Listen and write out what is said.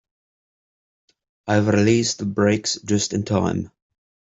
I released the brakes just in time.